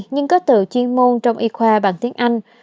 nhưng có tự chuyên môn trong y khoa bằng tiếng anh